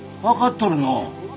分かっとるのう。